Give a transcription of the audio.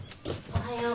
おはよう。